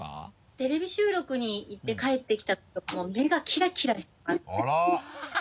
テレビ収録に行って帰ってきた時はもう目がキラキラしてまして。